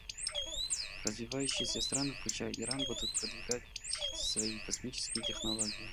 Развивающиеся страны, включая Иран, будут продвигать свои космические технологии.